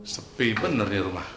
sepi bener di rumah